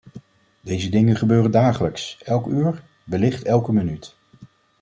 Deze dingen gebeuren dagelijks, elk uur, wellicht elke minuut.